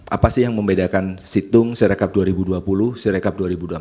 apa sih yang membedakan situng sirekap dua ribu dua puluh sirekap dua ribu dua puluh satu